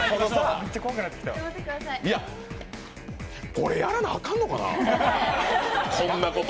これ、やらなあかんのかなこんなこと！